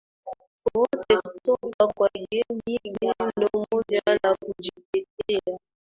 wowote kutoka kwa mgeni Neno moja la kujitetea